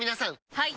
はい！